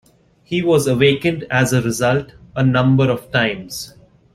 He was awakened as a result a number of times.